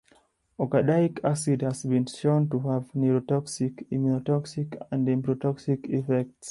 Okadaic acid has been shown to have neurotoxic, immunotoxic, and embryotoxic effects.